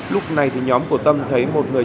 lúc này thì nhóm của tâm thấy một người